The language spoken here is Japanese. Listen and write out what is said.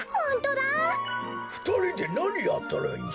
ふたりでなにやっとるんじゃ？